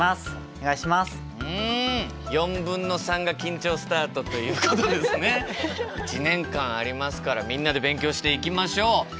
3/4が緊張スタートということでですね１年間ありますからみんなで勉強していきましょう。